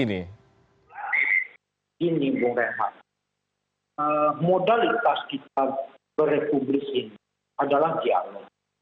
ini bung redman modalitas kita berepublik ini adalah dialog